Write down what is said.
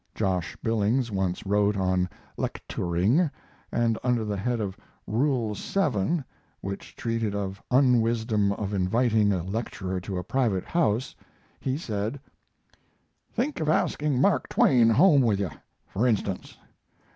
Josh Billings once wrote on "Lekturing," and under the head of "Rule Seven," which treated of unwisdom of inviting a lecturer to a private house, he said: Think of asking Mark Twain home with yu, for instance.